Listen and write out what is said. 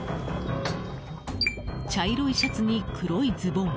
茶色いシャツに黒いズボン。